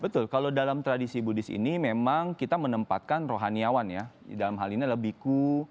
betul kalau dalam tradisi buddhis ini memang kita menempatkan rohaniawan ya dalam hal ini adalah biku